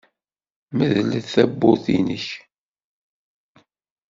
Mdel tawwurt-nnek.